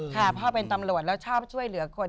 พ่อเป็นตำรวจแล้วชอบช่วยเหลือคน